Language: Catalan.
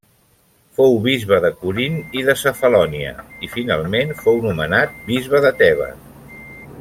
Fou bisbe de Corint i de Cefalònia, i finalment fou nomenat bisbe de Tebes.